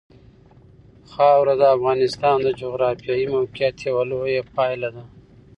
خاوره د افغانستان د جغرافیایي موقیعت یوه لویه پایله ده.